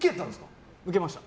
受けました。